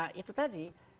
nah itu tadi